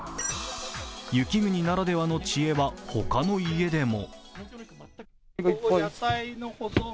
雪国ならではの知恵は他の家でも。